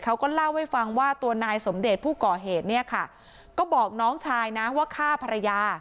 เขาก็เล่าให้ฟังว่าตัวนายสมเดชผู้ก่อเหตุเนี่ยค่ะก็บอกน้องชายนะว่าฆ่าภรรยา